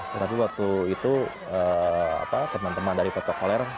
tetapi waktu itu teman teman dari protokoler